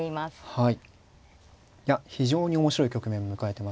はい。